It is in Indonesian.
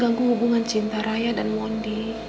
saya gak mau hubungan cinta raya dan mondi